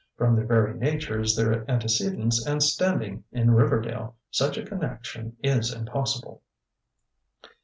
From their very natures, their antecedents and standing in Riverdale, such a connection is impossible."